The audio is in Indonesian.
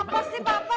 papa kenapa sih papa